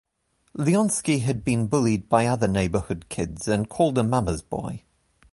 Leonski had been bullied by other neighborhood kids and called a mama's boy.